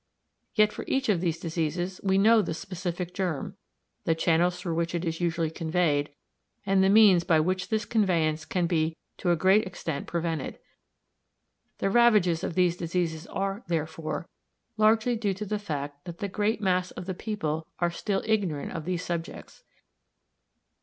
Yet for each of these diseases we know the specific germ, the channels through which it is usually conveyed, and the means by which this conveyance can be to a great extent prevented. The ravages of these diseases are, therefore, largely due to the fact that the great mass of the people are still ignorant of these subjects.